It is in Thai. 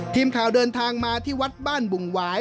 ทีมข่าวเดินทางมาที่วัดบ้านบุงหวาย